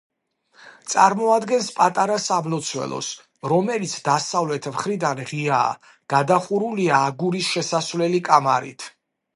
წარმოადგენს პატარა სამლოცველოს, რომელიც დასავლეთ მხრიდან ღიაა, გადახურულია აგურის შესასვლელი კამარით.